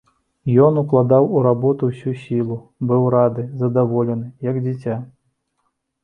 Ён укладаў у работу ўсю сілу, быў рады, здаволены, як дзіця.